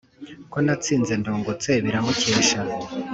ko natsinze ndungutse, biramukesha.